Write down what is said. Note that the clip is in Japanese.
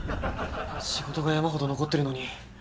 仕事が山ほど残ってるのに。